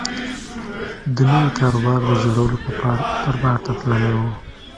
د نوي کاروبار د جوړولو په پار دربار ته تللی و.